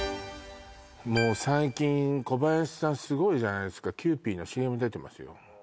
もう最近小林さんすごいじゃないですかキューピーのＣＭ出てますよ